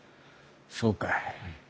そうかい。